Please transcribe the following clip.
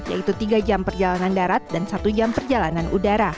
yaitu tiga jam perjalanan darat dan satu jam perjalanan udara